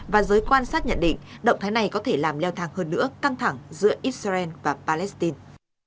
và giới quan sát nhận định động thái này có thể làm leo thang hơn nữa căng thẳng giữa israel và palestine